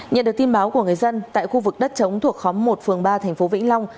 nhận được tin báo của người dân tại khu vực đất chống thuộc khóm một phường ba thành phố vĩnh long